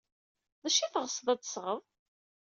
D acu ay teɣsed ad d-tesɣed?